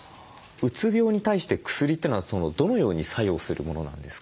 うつ病に対して薬というのはどのように作用するものなんですか？